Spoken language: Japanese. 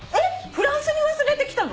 フランスに忘れてきたの！？